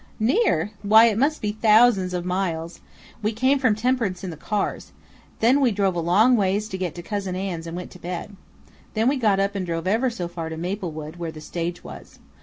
"Near? Why, it must be thousands of miles! We came from Temperance in the cars. Then we drove a long ways to cousin Ann's and went to bed. Then we got up and drove ever so far to Maplewood, where the stage was.